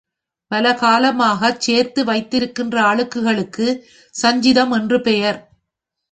பலகாலமாகச் சேர்த்து வைத்திருக்கிற அழுக்குக்கு சஞ்சிதம் என்று பெயர்.